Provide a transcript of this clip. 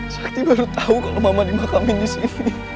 sakti baru tau kalo mama dimakamin disini